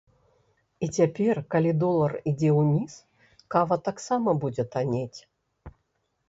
І цяпер, калі долар ідзе ўніз, кава таксама будзе таннець.